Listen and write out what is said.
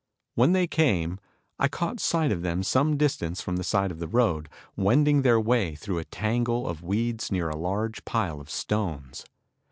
When they came, I caught sight of them some distance from the side of the road, wending their way through a tangle of weeds near a large pile of stones.